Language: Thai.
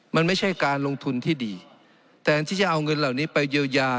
มันไม่ใช่การลงทุนที่ดีแทนที่จะเอาเงินเหล่านี้ไปเยียวยา